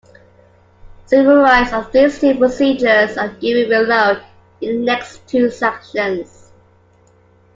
Summaries of these two procedures are given below, in the next two sections.